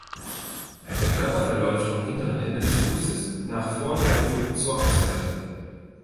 Der Körper verläuft vom hinteren Ende des Fußes nach vorne–oben–zur Außenseite.